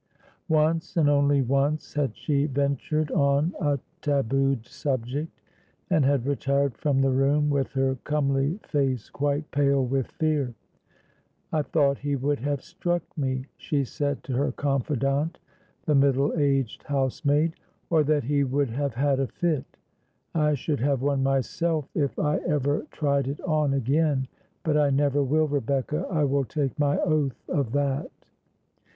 Once, and once only, had she ventured on a tabooed subject, and had retired from the room with her comely face quite pale with fear. "I thought he would have struck me," she said to her confidante, the middle aged housemaid, "or that he would have had a fit; I should have one myself if I ever tried it on again; but I never will, Rebecca, I will take my oath of that."